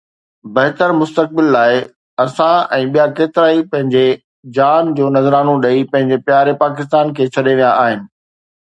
بهتر مستقبل لاءِ اسان ۽ ٻيا ڪيترائي پنهنجي جان جو نذرانو ڏئي پنهنجي پياري پاڪستان کي ڇڏي ويا آهن